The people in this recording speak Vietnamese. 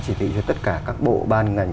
chỉ thị cho tất cả các bộ ban ngành